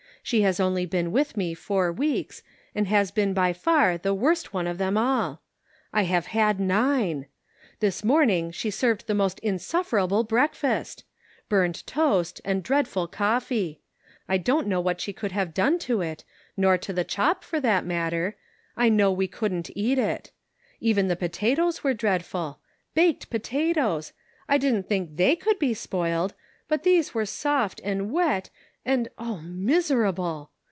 She has only been with me four weeks, and has been by far the worst one of them all. I have had nine ! This morning she served the most insufferable breakfast ! Burnt toast, and dreadful coffee ; I don't know what she could have done to it, nor to the chop for that matter, I know we couldn't eat it: even the potatoes were dreadful; baked potatoes! I didn't think they could be spoiled, but these were soft and wet and oh — miserable